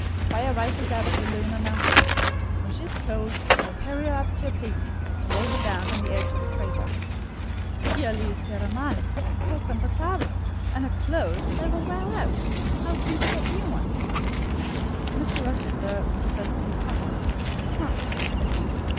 "Fire rises out of the lunar mountains: when she is cold, I'll carry her up to a peak, and lay her down on the edge of a crater." "Oh, qu'elle y sera mal—peu comfortable! And her clothes, they will wear out: how can she get new ones?" Mr. Rochester professed to be puzzled. "Hem!" said he.